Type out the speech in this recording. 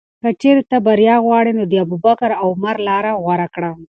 که چېرې ته بریا غواړې، نو د ابوبکر او عمر لاره غوره کړه.